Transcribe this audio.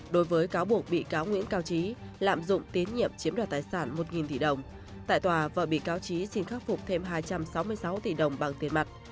đối với cáo buộc bị cáo nguyễn cao trí lạm dụng tín nhiệm chiếm đoạt tài sản một tỷ đồng tại tòa vợ bị cáo trí xin khắc phục thêm hai trăm sáu mươi sáu tỷ đồng bằng tiền mặt